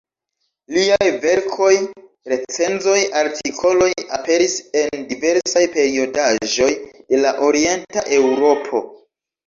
Liaj verkoj, recenzoj, artikoloj aperis en diversaj periodaĵoj de la Orienta Eŭropo.